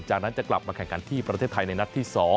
จากนั้นจะกลับมาแข่งขันที่ประเทศไทยในนัดที่๒